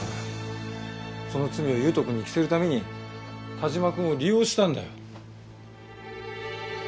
その罪を悠斗くんに着せるために但馬くんを利用したんだよ。